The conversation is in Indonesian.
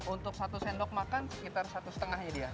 untuk satu sendok makan sekitar satu limanya dia